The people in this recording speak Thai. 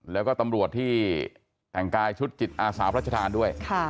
แล้วก็ตำรวจที่แต่งกายชุดจิตอาสาพระชธานด้วย